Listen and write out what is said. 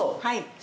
はい。